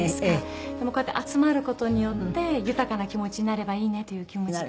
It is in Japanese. でもこうやって集まる事によって豊かな気持ちになればいいねという気持ちで。